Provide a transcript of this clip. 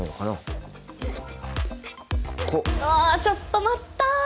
ちょっと待った！